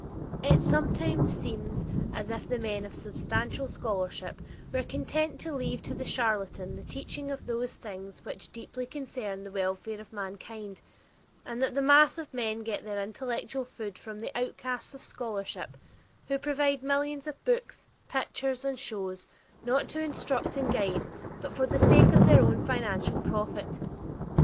It sometimes seems as if the men of substantial scholarship were content to leave to the charletan the teaching of those things which deeply concern the welfare of mankind, and that the mass of men get their intellectual food from the outcasts of scholarship, who provide millions of books, pictures, and shows, not to instruct and guide, but for the sake of their own financial profit.